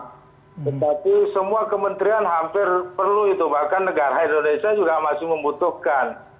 tetapi semua kementerian hampir perlu itu bahkan negara indonesia juga masih membutuhkan